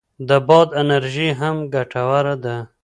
د باد انرژي هم ګټوره ده.